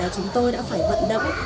chúng tôi đã phải vận động